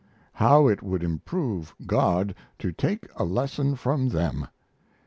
How it would improve God to take a lesson from them!